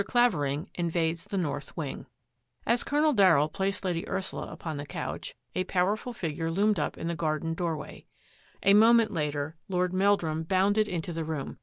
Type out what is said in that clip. CLAVERING INVADES THE NORTH WING As Colonel Darryll placed Lady Ursula upon the couch, a powerful figure loomed up in the garden doorway. A moment later Lord Meldrum bounded into the room.